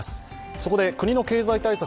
そこで国の経済対策